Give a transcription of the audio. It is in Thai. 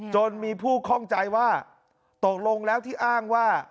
จนมีผู้ข้องใจว่าตกลงแล้วที่อ้างว่า